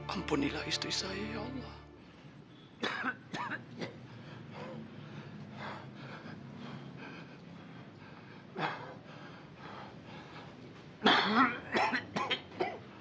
ampunilah istri saya ya allah